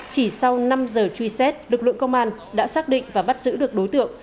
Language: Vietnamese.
chỉ sau năm giờ truy xét lực lượng công an đã xác định và bắt giữ được đối tượng